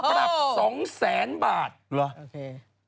โอ้โหปรับ๒๐๐๐๐๐บาทดูเหรอโอเค